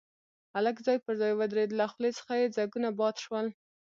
هلک ځای پر ځای ودرېد، له خولې څخه يې ځګونه باد شول.